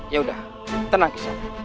yaudah tenang kisana